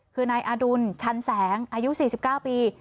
คือนายอดุลชันแสงอายุ๔๙ปี